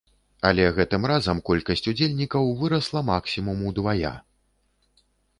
Але гэтым разам колькасць удзельнікаў вырасла максімум удвая.